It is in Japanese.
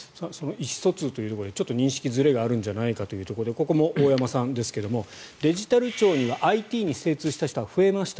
意思疎通というところで認識のずれがあるんじゃないかということでここも大山さんですがデジタル庁にはＩＴに精通した人は増えました